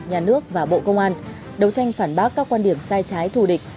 nhà nước và bộ công an đấu tranh phản bác các quan điểm sai trái thù địch